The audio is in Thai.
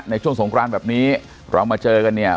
ช่วงสงครานแบบนี้เรามาเจอกันเนี่ย